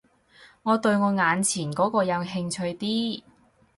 我對我眼前嗰個有興趣啲